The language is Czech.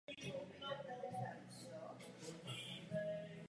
Jižní část obce a katastru leží v chráněné krajinné oblasti Moravský kras.